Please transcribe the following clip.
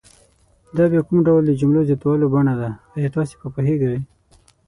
دا بیا کوم ډول د جملو زیاتولو بڼه ده آیا تاسې په پوهیږئ؟